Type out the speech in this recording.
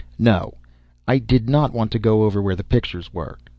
No, I didn't want to go over where the pictures were.